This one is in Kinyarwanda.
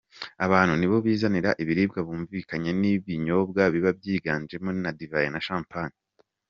Abantu nibo bizanira ibiribwa bumvikanyeho n’ibinyobwa biba byiganjemo za divayi na champagne.